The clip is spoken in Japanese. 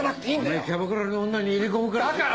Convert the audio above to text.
お前キャバクラの女に入れ込むから。